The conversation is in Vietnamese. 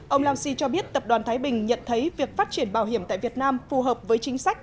ông lao xi cho biết tập đoàn thái bình nhận thấy việc phát triển bảo hiểm tại việt nam phù hợp với chính sách